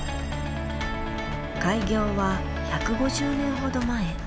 開業は１５０年ほど前。